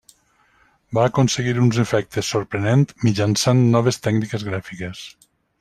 Va aconseguir uns efectes sorprenent mitjançant noves tècniques gràfiques.